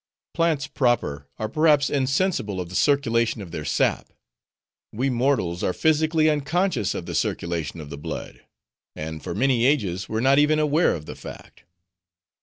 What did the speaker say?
Plants proper are perhaps insensible of the circulation of their sap: we mortals are physically unconscious of the circulation of the blood; and for many ages were not even aware of the fact.